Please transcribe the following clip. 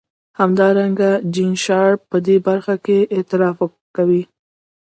همدارنګه جین شارپ په دې برخه کې اعتراف کوي.